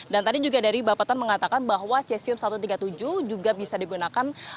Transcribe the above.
dan tadi juga dari bapak tan mengatakan bahwa cesium satu ratus tiga puluh tujuh juga bisa digunakan